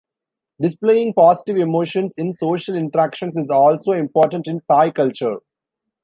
Displaying positive emotions in social interactions is also important in Thai culture.